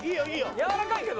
やわらかいけど。